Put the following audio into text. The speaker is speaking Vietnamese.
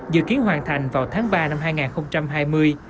dự kiến hoàn thành vào tháng ba năm hai nghìn hai mươi